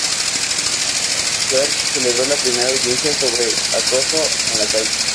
York celebró la primera audiencia sobre acoso en la calle.